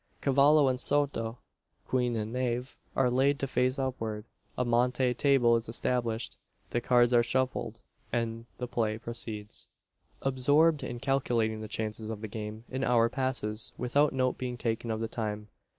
Cavallo and soto (queen and knave) are laid face upward; a monte table is established; the cards are shuffled; and the play proceeds. Absorbed in calculating the chances of the game, an hour passes without note being taken of the time.